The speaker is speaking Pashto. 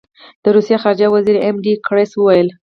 د روسیې خارجه وزیر ایم ډي ګیرس وویل.